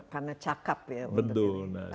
karena cakep ya betul